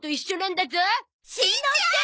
しんちゃん！